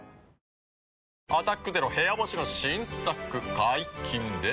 「アタックＺＥＲＯ部屋干し」の新作解禁です。